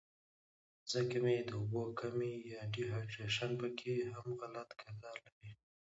ځکه چې د اوبو کمے يا ډي هائيډرېشن پکښې هم غټ کردار لري